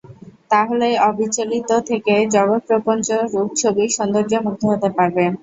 তা হলেই অবিচলিত থেকে জগৎপ্রপঞ্চ-রূপ ছবির সৌন্দর্যে মুগ্ধ হতে পারবে।